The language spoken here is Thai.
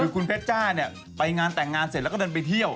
คุณเพชรจ้าเนี่ยไปงานแต่งงานเสร็จแล้วก็เดินไปเที่ยว